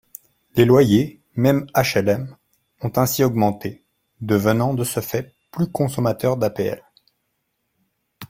Les loyers, même HLM, ont ainsi augmenté, devenant de ce fait plus consommateurs d’APL.